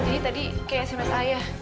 tadi kayak sms ayah